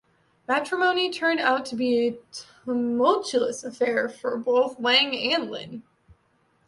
Matrimony turned out to be a tumultuous affair for both Wang and Lin.